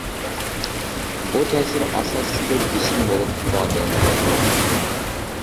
بۇ تەسىر، ئاساسلىقى، بېسىم بولۇپ ئىپادىلىنىدۇ.